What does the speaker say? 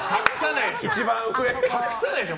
隠さないでしょ。